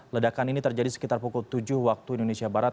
ledakan ini terjadi sekitar pukul tujuh waktu indonesia barat